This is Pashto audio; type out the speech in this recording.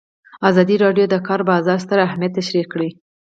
ازادي راډیو د د کار بازار ستر اهميت تشریح کړی.